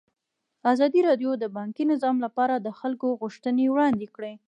ازادي راډیو د بانکي نظام لپاره د خلکو غوښتنې وړاندې کړي.